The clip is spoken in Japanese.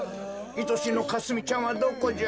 いとしのかすみちゃんはどこじゃ？